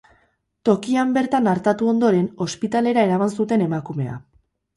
Tokian bertan artatu ondoren, ospitalera eraman zuten emakumea.